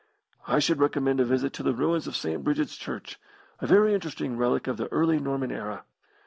I should recommend a visit to the ruins of St. Bridget's Church, a very interesting relic of the early Norman era.